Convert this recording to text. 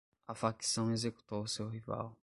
A facção executou seu rival